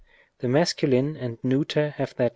The masculine and neuter have their G.